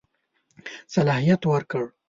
صلاحیت ورکړ.